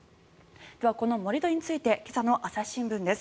では、この盛り土について今朝の朝日新聞です。